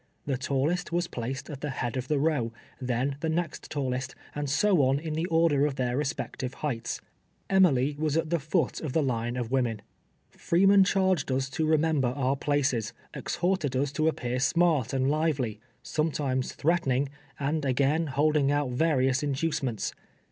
The tallest was placed at the head of the row, then the next tallest, and so on in the order of their respective heights. Emilj was at the foot of the line of women. Freeman charged ns to remem ber our ])laces ; exlir)rted ns to appear smart and live ly, — sometimes threatening, and again, holding out various inducements.